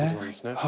はい。